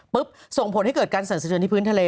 ปุ๊บส่งผลให้เกิดการสั่งเศรือนที่พื้นทะเล